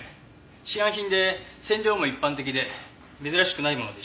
市販品で染料も一般的で珍しくないものでした。